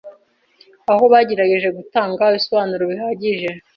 aho bagerageje gutanga ibisobanuro bihagije